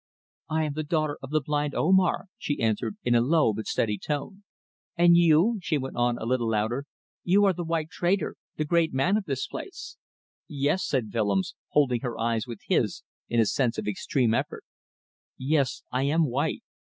"I am the daughter of the blind Omar," she answered, in a low but steady tone. "And you," she went on, a little louder, "you are the white trader the great man of this place." "Yes," said Willems, holding her eyes with his in a sense of extreme effort, "Yes, I am white."